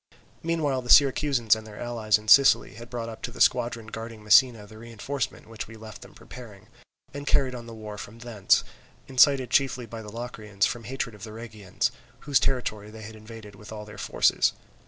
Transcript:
Meanwhile the Syracusans and their allies in Sicily had brought up to the squadron guarding Messina the reinforcement which we left them preparing, and carried on the war from thence, incited chiefly by the Locrians from hatred of the Rhegians, whose territory they had invaded with all their forces.